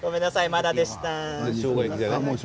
まだでした。